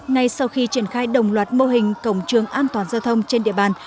ngay sau khi triển khai đồng loạt mô hình cổng trường an toàn giao thông trên địa bàn